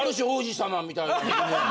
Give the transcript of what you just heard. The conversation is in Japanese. みたいな夢。